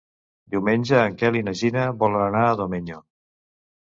Diumenge en Quel i na Gina volen anar a Domenyo.